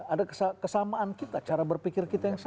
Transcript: ada kesamaan kita cara berpikir kita yang sama